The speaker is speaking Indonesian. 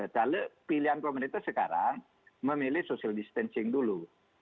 kalau pilihan pemerintah sekarang memilih social distancing dulu